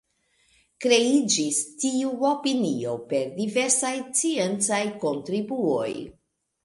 Kreiĝis tiu opinio per diversaj sciencaj kontribuoj.